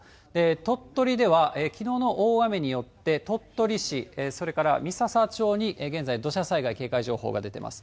鳥取では、きのうの大雨によって、鳥取市、それから三朝町に現在、土砂災害警戒情報が出てます。